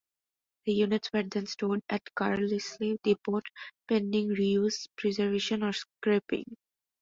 The units were then stored at Carlisle depot pending reuse, preservation or scrapping.